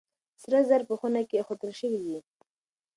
سره زر په خونه کې ايښودل شوي دي.